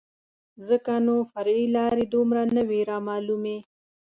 ځکه نو فرعي لارې دومره نه وې رامعلومې.